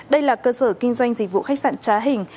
đây là cơ sở kinh doanh dịch vụ khách sạn trá hình